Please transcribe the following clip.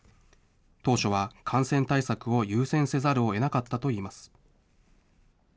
当初は感染対策を優先せざるをえなかったといいます。